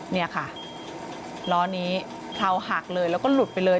เนี่ยค่ะล้อนี้เพราหักเลยแล้วก็หลุดไปเลย